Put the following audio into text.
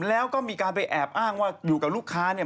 แล้วก็มีการไปแอบอ้างว่าอยู่กับลูกค้าเนี่ย